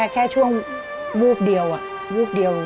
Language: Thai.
แค่ช่วงวูบเดียว